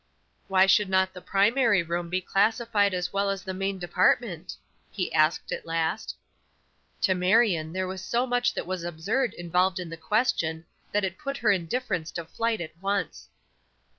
"Why should not the primary room be classified as well as the main department?" he asked, at last. To Marion there was so much that was absurd involved in the question that it put her indifference to flight at once.